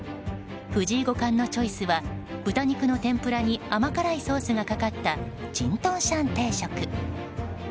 藤井五冠のチョイスは豚肉の天ぷらに甘辛いソースがかかった珍豚美人定食。